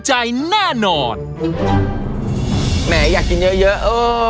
จะอิ่มไหมเนี่ยเออ